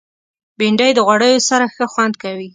بېنډۍ د غوړیو سره ښه خوند کوي